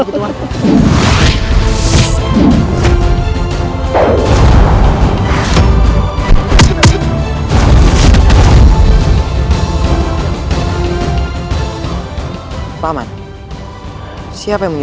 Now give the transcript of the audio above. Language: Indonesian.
kamu masih sedang